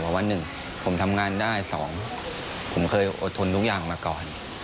เพราะว่า๑ผมทำงานได้๒ผมเคยอดทนทุกอย่างมาก่อน